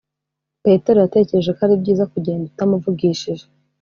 petero yatekereje ko ari byiza kugenda utamuvugishije;